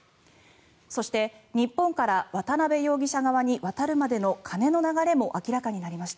そして、日本から渡邉容疑者側に渡るまでの金の流れも明らかになりました。